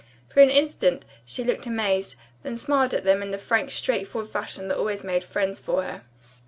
For an instant she looked amazed, then smiled at them in the frank, straightforward fashion that always made friends for her.